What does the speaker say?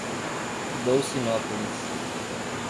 Dolcinópolis